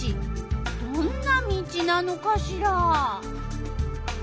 どんな道なのかしら？